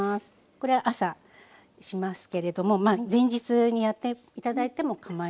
これは朝しますけれども前日にやって頂いてもかまいません。